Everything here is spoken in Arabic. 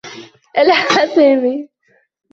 ألحّ سامي.